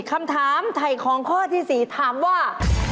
คำถามไถ่ของข้อที่๔ถามว่า